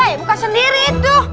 eh bukan sendiri itu